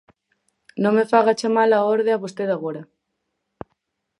Non me faga chamala á orde a vostede agora.